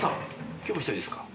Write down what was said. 今日も一人ですか？